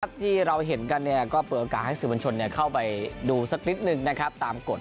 และที่เราเห็นกันก็เปิดโอกาสให้สินวัญชนเข้าไปดูสักนิดหนึ่งตามกฎ